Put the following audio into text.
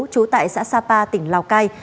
trú tại xã sapa tỉnh lào cai